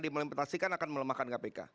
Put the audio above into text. dimelimpitasikan akan melemahkan kpk